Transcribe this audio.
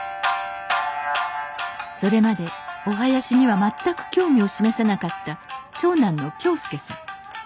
それまでお囃子には全く興味を示さなかった長男の恭将さん。